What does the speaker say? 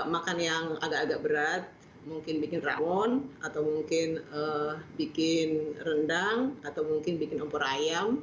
makan yang agak agak berat mungkin bikin rawon atau mungkin bikin rendang atau mungkin bikin opor ayam